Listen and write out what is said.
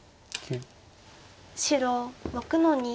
白６の二。